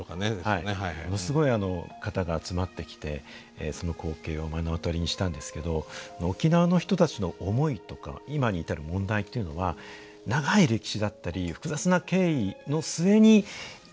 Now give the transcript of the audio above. ものすごい方が集まってきてその光景を目の当たりにしたんですけど沖縄の人たちの思いとか今に至る問題というのは長い歴史だったり複雑な経緯の末に今起きてるんですよね。